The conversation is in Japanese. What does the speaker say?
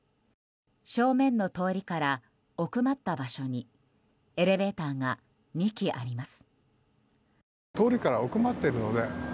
正面の通りから奥まった場所にエレベーターが２基あります。